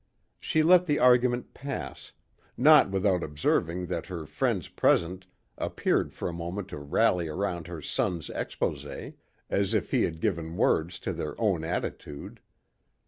She let the argument pass, not without observing that her friends present appeared for a moment to rally around her son's exposè as if he had given words to their own attitude.